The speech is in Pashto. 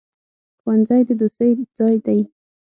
ښوونځی د دوستۍ ځای دی.